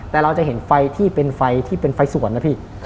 แต่เราจะเห็นไฟที่เป็นไฟสวนนะพี่